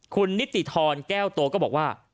คุณนิติธรแก้วโตก็บอกว่า